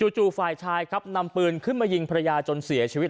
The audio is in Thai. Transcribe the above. จู่ฝ่ายชายครับนำปืนขึ้นมายิงภรรยาจนเสียชีวิต